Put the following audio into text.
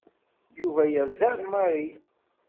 Yuba yerza ar Mary.